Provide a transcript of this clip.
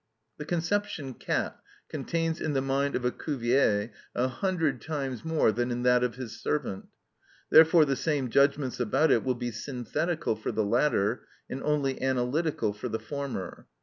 The conception "cat" contains in the mind of a Cuvier a hundred times more than in that of his servant; therefore the same judgments about it will be synthetical for the latter, and only analytical for the former.